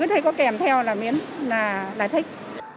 mà cứ thấy có cái kèm theo là miễn là thích